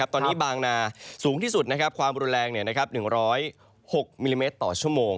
ตอนนี้บางนาสูงที่สุดความรุนแรง๑๐๖มิลลิเมตรต่อชั่วโมง